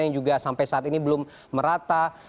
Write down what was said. yang juga sampai saat ini belum merata